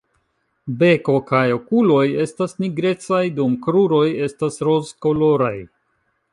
Beko kaj okuloj estas nigrecaj, dum kruroj estas rozkoloraj.